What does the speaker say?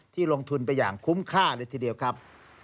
ลงทุนไปอย่างคุ้มค่าเลยทีเดียวครับ